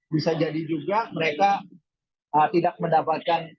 bisa jadi juga mereka tidak mendapatkan